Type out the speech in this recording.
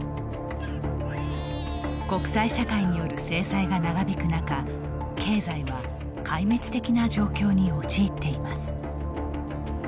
国際社会による制裁が長引く中経済は壊滅的な状況に陥っています。